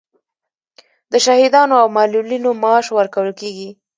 د شهیدانو او معلولینو معاش ورکول کیږي